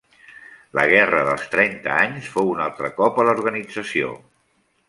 La Guerra dels Trenta anys fou un altre cop a l'organització.